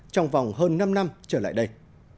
trong vòng hơn năm năm trở lại đây